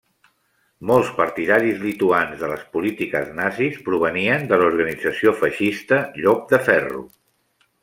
Molts partidaris lituans de les polítiques nazis provenien de l'organització feixista Llop de Ferro.